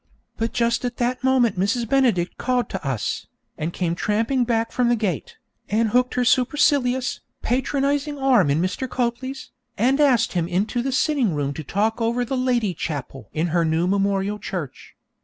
But just at that moment Mrs. Benedict called to us, and came tramping back from the gate, and hooked her supercilious, patronizing arm in Mr. Copley's, and asked him into the sitting room to talk over the 'lady chapel' in her new memorial church.